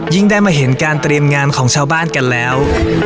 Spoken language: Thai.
ได้มาเห็นการเตรียมงานของชาวบ้านกันแล้ว